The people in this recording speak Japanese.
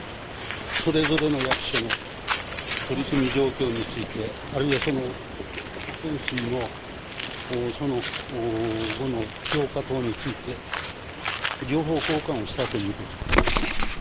それぞれの役所の取り組み状況について、あるいはその汚染水の、その後の評価等について、情報交換をしたということです。